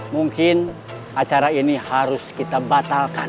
mungkin acara ini harus kita batalkan